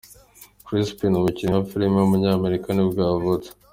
Chris Pine, umukinnyi wa filime w’umunyamerika nibwo yavutse.